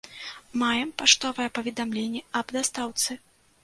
Маем паштовае паведамленне аб дастаўцы.